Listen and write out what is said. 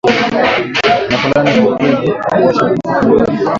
aina fulani za upele wa kuwasha uvimbe kwenye ngozi